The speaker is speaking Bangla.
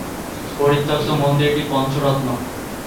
পরিত্যক্ত মন্দিরটি পঞ্চরত্ন।